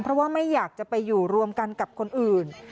เพราะว่าไม่อยากจะไปอยู่รวมกันกับคนอื่น